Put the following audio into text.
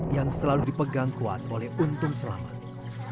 yang selalu dipegang kuat oleh untung selama ini